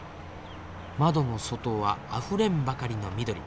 窓の外はあふれんばかりの緑。